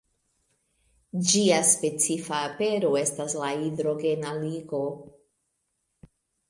Ĝia specifa apero estas la hidrogena ligo.